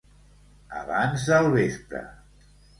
Abans del vespre.